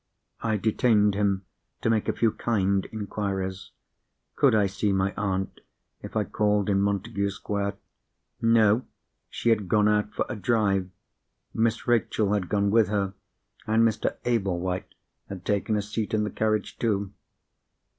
I detained him to make a few kind inquiries. Could I see my aunt, if I called in Montagu Square? No; she had gone out for a drive. Miss Rachel had gone with her, and Mr. Ablewhite had taken a seat in the carriage, too.